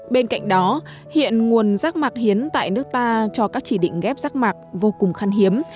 bên cạnh đó hiện nguồn rác mạc hiến tại nước ta cho các chỉ định ghép rác mạc vô cùng khăn hiếm